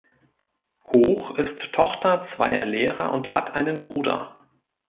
Hoch ist Tochter zweier Lehrer und hat einen Bruder.